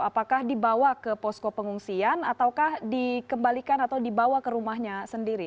apakah dibawa ke posko pengungsian ataukah dikembalikan atau dibawa ke rumahnya sendiri